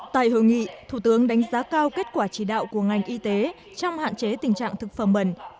tại hội nghị thủ tướng đánh giá cao kết quả chỉ đạo của ngành y tế trong hạn chế tình trạng thực phẩm bẩn